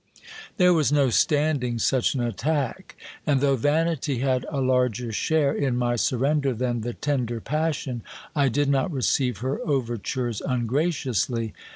There was no standing such an attack ; and though vanity had a larger share in my surrender than the tender passion, I did not receive her overtures ungraciously.